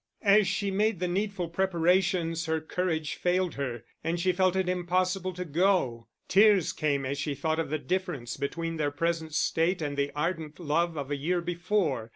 As she made the needful preparations her courage failed her, and she felt it impossible to go. Tears came as she thought of the difference between their present state and the ardent love of a year before.